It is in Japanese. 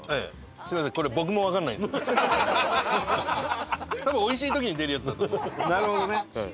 すみませんなるほどね。